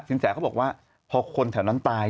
สินแสเขาบอกว่าพอคนแถวนั้นตาย